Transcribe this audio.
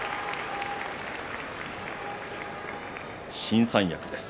新三役です。